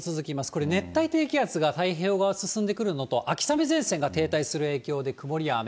これ熱帯低気圧が太平洋側を進んでくるのと、秋雨前線が停滞する影響で曇りや雨。